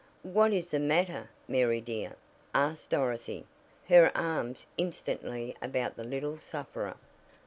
"What is the matter, Mary dear?" asked Dorothy, her arms instantly about the little sufferer.